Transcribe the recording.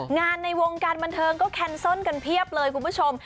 ในวงการบันเทิงก็แคนเซิลกันเพียบเลยคุณผู้ชม